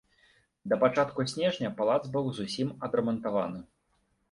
Да пачатку снежня палац быў зусім адрамантаваны.